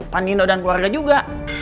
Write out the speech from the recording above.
pandino dan keluarga juga